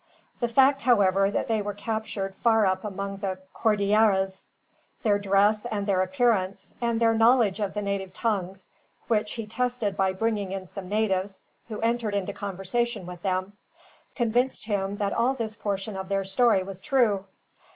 The fact, however, that they were captured far up among the Cordilleras; their dress and their appearance; and their knowledge of the native tongues which he tested by bringing in some natives, who entered into conversation with them convinced him that all this portion of their story was true.